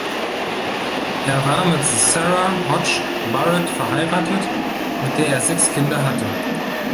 Er war mit Sara Hodge Barrett verheiratet, mit der er sechs Kinder hatte.